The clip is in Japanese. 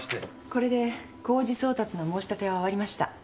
これで公示送達の申し立ては終わりました。